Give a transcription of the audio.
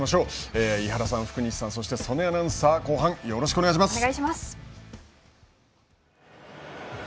井原さん、福西さんそして、曽根アナウンサー後半よろしくお願いします。